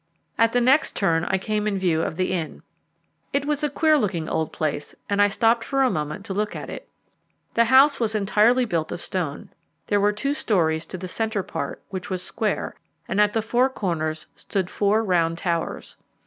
At the next turn I came in view of the inn. It was a queer looking old place, and I stopped for a moment to look at it. The house was entirely built of stone. There were two storeys to the centre part, which was square, and at the four corners stood four round towers.